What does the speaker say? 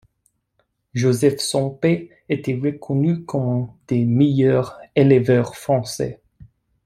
Joseph Sempé était reconnu comme un des meilleurs éleveurs français.